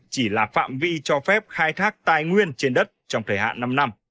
chỉ là phạm vi cho phép khai thác tài nguyên trên đất trong thời hạn năm năm